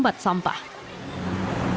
banjir juga terjadi di sidoarjo